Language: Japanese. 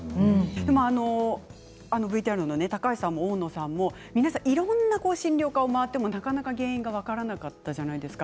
でもあのＶＴＲのね高橋さんも大野さんも皆さんいろんな診療科を回ってもなかなか原因が分からなかったじゃないですか。